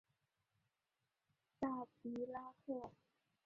萨迪拉克。